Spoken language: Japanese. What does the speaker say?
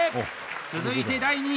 続いて第２位！